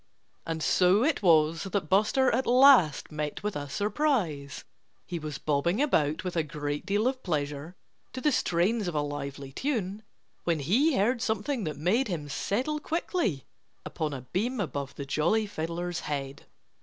And so it was that Buster at last met with a surprise. He was bobbing about with a great deal of pleasure to the strains of a lively tune when he heard something that made him settle quickly upon a beam above the jolly fiddler's head.